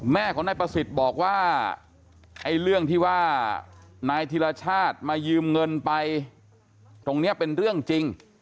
แม่ของนายประสิทธิ์บอกว่าไอ้เรื่องที่ว่านายธิรชาติมายืมเงินไปตรงนี้เป็นเรื่องจริง